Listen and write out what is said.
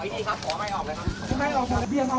พี่นิดขอให้ออกเลยครับ